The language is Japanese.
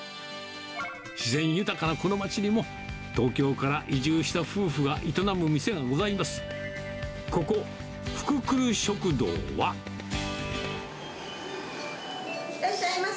自然豊かなこの町にも、東京から移住した夫婦が営む店がございます。